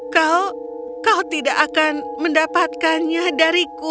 kau kau tidak akan mendapatkannya dariku